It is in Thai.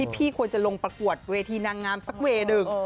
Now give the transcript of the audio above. พี่ควรจะลงประกวดเวทีนางงามสักเวย์หนึ่ง